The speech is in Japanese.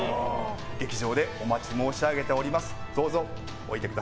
劇場でお待ち申し上げております。